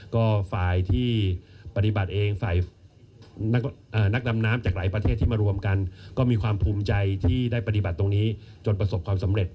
ก็ฝ่ายที่ปฏิบัติเองฝ่ายนักดำน้ำจากหลายประเทศที่มารวมกันก็มีความภูมิใจที่ได้ปฏิบัติตรงนี้จนประสบความสำเร็จ